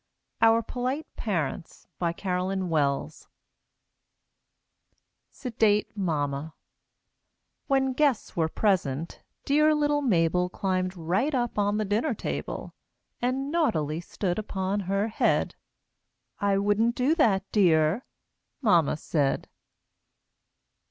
OUR POLITE PARENTS BY CAROLYN WELLS SEDATE MAMMA When guests were present, dear little Mabel Climbed right up on the dinner table And naughtily stood upon her head! "I wouldn't do that, dear," Mamma said.